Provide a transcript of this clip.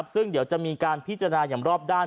ซึ่งเดี๋ยวจะมีการพิจารณาอย่างรอบด้าน